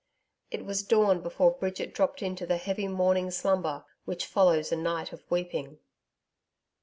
It was dawn before Bridget dropped into the heavy morning slumber, which follows a night of weeping.